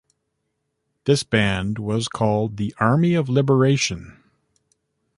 This band was called the "Army of Liberation".